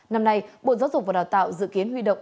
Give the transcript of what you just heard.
năm nay bộ giáo dục và đào tạo dự kiến huy động